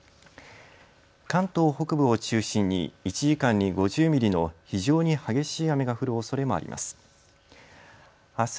関東北部を中心に１時間に５０ミリの非常に激しい雨が降るおそれもあります。